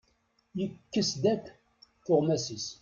Yekkes-d akk tuɣmas-is.